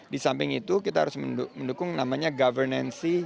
di samping itu kita harus mendukung namanya governancy